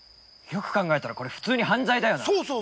よく考えたらこれ普通に犯罪だよな？